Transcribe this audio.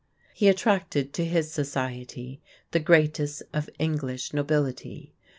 He attracted to his society the greatest of English nobility.